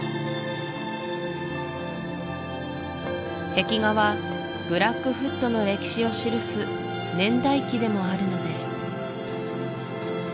壁画はブラックフットの歴史を記す年代記でもあるのです